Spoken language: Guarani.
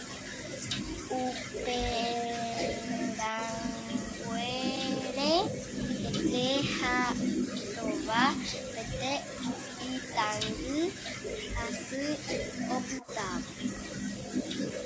Upehaguére hete ha hóva jepe ipytãngy asy opytávo.